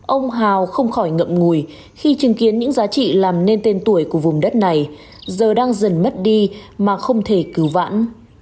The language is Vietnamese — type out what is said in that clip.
ông hào không khỏi ngậm ngùi khi chứng kiến những giá trị làm nên tên tuổi của vùng đất này giờ đang dần mất đi mà không thể cứu vãn